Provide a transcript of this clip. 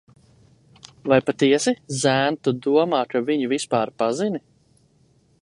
Vai patiesi, zēn, tu domā, ka viņu vispār pazini?